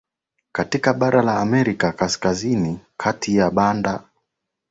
katika bara la Amerika Kaskazini kati ya Kanada upande wa